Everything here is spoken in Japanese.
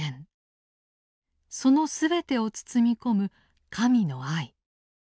その全てを包み込む神の愛。